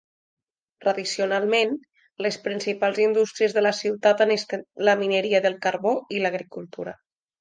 Tradicionalment, les principals indústries de la ciutat han estat la mineria del carbó i l'agricultura.